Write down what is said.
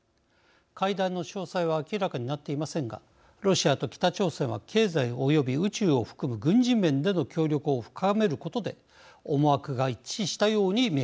会談の詳細は明らかになっていませんがロシアと北朝鮮は経済および宇宙を含む軍事面での協力を深めることで思惑が一致したように見えます。